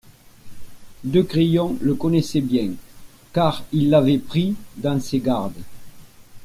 de Crillon le connaissait bien, car il l'avait pris dans ses gardes.